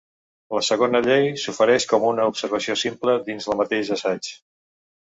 La segona llei s'ofereix com una observació simple dins el mateix assaig.